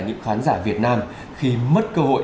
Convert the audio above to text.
những khán giả việt nam khi mất cơ hội